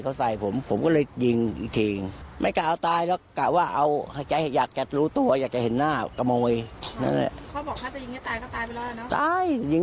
เราไม่อยากจะถามว่ามันตายอยากจะเห็นหน้าอยากจะรู้ตัวกระโมย